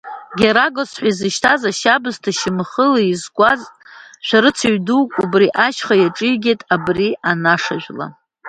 Герагос ҳәа изышьҭаз, ашьабысҭа шьамхыла изкуаз, шәарыцаҩ дук убри ашьха иаҿигеит абри анаша жәла.